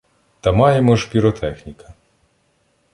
Та маємо ж піротехніка.